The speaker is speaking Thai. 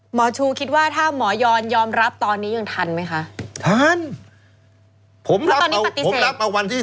หมอชูคิดว่าถ้าหมอยอนยอมรับตอนนี้ยังทันไหมคะทันผมรับตอนนี้ผมรับมาวันที่